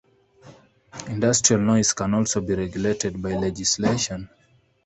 Industrial noise can also be regulated by legislation.